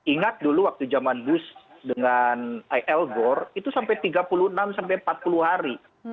ingat dulu waktu zaman bus dengan al gor itu sampai tiga puluh enam sampai empat puluh hari